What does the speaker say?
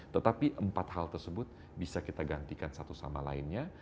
tetapi empat hal tersebut bisa kita gantikan satu sama lainnya